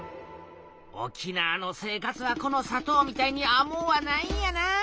沖縄の生活はこのさとうみたいにあもうはないんやなあ。